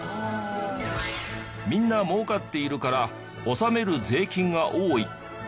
みんな儲かっているから納める税金が多い。